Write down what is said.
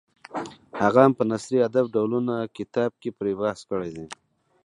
هغه هم په نثري ادب ډولونه کتاب کې پرې بحث کړی دی.